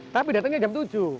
tapi datangnya jam tujuh